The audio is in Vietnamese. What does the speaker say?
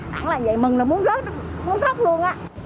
đặng là vậy mừng là muốn rớt muốn khóc luôn á